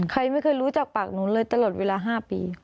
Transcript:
ใครไม่เคยรู้จากปากหนูเลยตลอดเวลา๕ปี